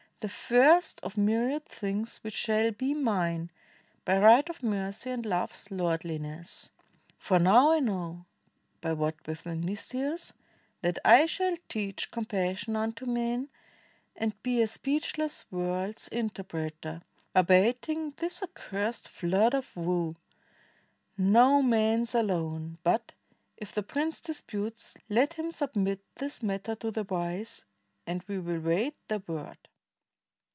The first of m} riad things which shall be mine By right of mercy and love's lordhness. For now I know, by what within me stirs, That I shall teach compassion unto men And be a speechless world's interpreter, Abating this accursed flood of woe, Not man's alone; but, if the prince disputes, Let him submit this matter to the wise And we will wait their word."